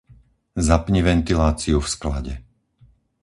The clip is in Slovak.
Zapni ventiláciu v sklade.